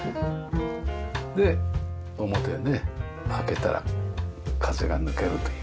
で表ね開けたら風が抜けるという。